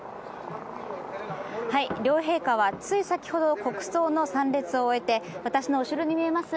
両陛下はつい先ほど国葬の参列を終えて私の後ろに見えます